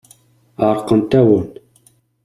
Ɛerqent-awen.